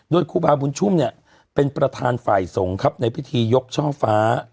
โดยครูบาบุญชุ่มเนี่ยเป็นประธานฝ่ายสงฆ์ครับในพิธียกช่อฟ้า